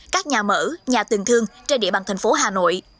các nhà mở nhà tường thương trên địa bàn thành phố hà nội